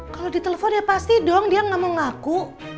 kalau ditelepon ya pasti dong dia nggak mau ngaku